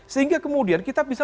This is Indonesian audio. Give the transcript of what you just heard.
sehingga kemudian kita bisa